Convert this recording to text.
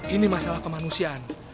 ini masalah kemanusiaan